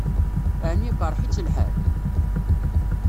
Ɛni iqṛeḥ-itt lḥal?